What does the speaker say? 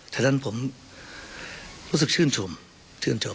ฉะนั้นผมรู้สึกชื่นชมชื่นชม